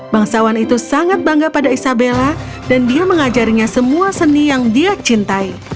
bangsawan itu sangat bangga pada isabella dan dia mengajarinya semua seni yang dia cintai